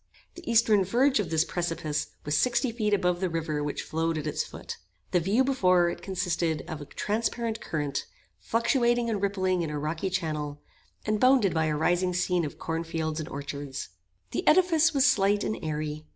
The eastern verge of this precipice was sixty feet above the river which flowed at its foot. The view before it consisted of a transparent current, fluctuating and rippling in a rocky channel, and bounded by a rising scene of cornfields and orchards. The edifice was slight and airy.